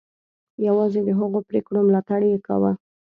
یوازې د هغو پرېکړو ملاتړ یې کاوه.